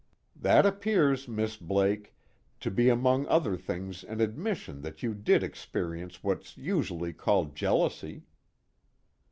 That appears, Miss Blake, to be among other things an admission that you did experience what's usually called jealousy.